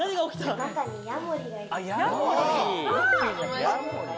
中にヤモリがいる。